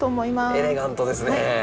エレガントですね。